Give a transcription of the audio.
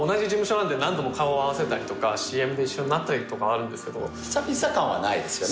なんで何度も顔合わせたりとかＣＭで一緒になったりとかはあるんですけど久々感はないですよね